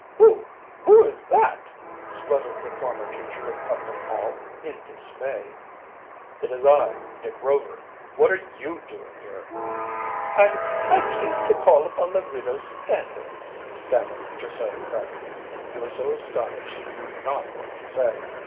"Who who is that?" spluttered the former teacher of Putnam Hall, in dismay. "It is I Dick Rover. What are you doing here?" "I I came to call upon the Widow Stanhope," stammered Josiah Crabtree. He was so astonished he knew not what to say.